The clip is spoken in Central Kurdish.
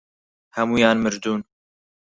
هەموویان مردوون.